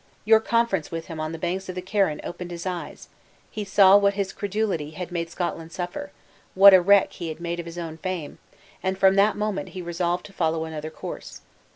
Your conference with him on the banks of the Carron opened his eyes; he saw what his credulity had made Scotland suffer; what a wreck he had made of his own fame; and from that moment he resolved to follow another course.